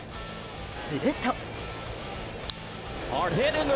すると。